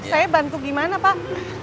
saya bantu gimana pak